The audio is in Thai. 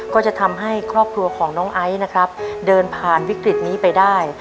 ก็จะทำให้ครอบครัวของน้องไอซ์นะครับเดินผ่านวิกฤตนี้ไปได้